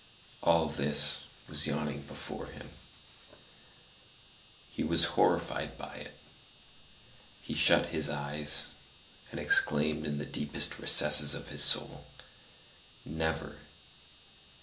All this was yawning before him. He was horrified by it; he shut his eyes, and exclaimed in the deepest recesses of his soul, "Never!"